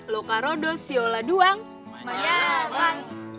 loka rodos siola duang menyaman